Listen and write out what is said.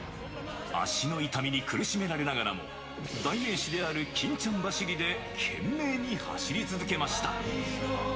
足の痛みに苦しめられながらも、代名詞である欽ちゃん走りで、懸命に走り続けました。